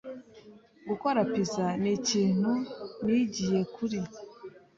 Gukora pizza nikintu nigiye kuri